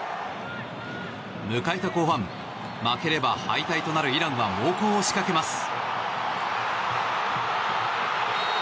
迎えた後半負ければ敗退となるイランは猛攻を仕掛けます。